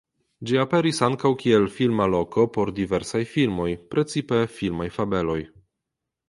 Ĝi aperis ankaŭ kiel filma loko por diversaj filmoj (precipe filmaj fabeloj).